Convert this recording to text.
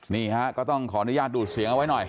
นี่ฮะก็ต้องขออนุญาตดูดเสียงเอาไว้หน่อย